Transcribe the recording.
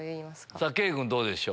さぁ圭君どうでしょう？